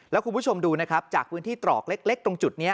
แล้วคุณผู้ชมดูนะครับจากพื้นที่ตรอกเล็กตรงจุดนี้